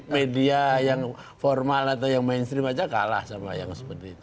media yang formal atau yang mainstream aja kalah sama yang seperti itu